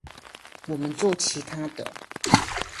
我們做其他的